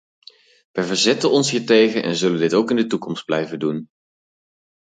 Wij verzetten ons hiertegen en zullen dit ook in de toekomst blijven doen.